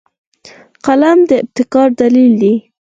قلم د ابتکار دلیل دی